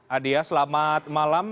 adia selamat malam